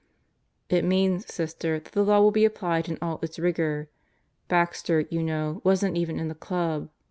"It means, Sister, that the Law will be applied in all its rigor. Baxter, you know, wasn't even in the Club.